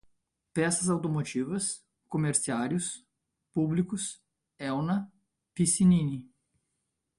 peças automotivas, comerciários, públicos, Elna, Pissinini